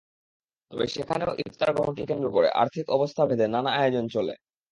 তবে সেখানেও ইফতার গ্রহণকে কেন্দ্র করে আর্থিক অবস্থাভেদে নানা আয়োজন চলে।